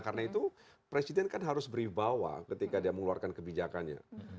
karena itu presiden kan harus beribawa ketika dia mengeluarkan kebijakannya